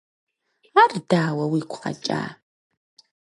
Ар дауэ уигу къэкӀа?